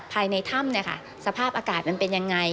ภายในถ้ำสภาพอากาศมันเป็นยังไง